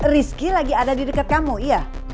rizky lagi ada di dekat kamu iya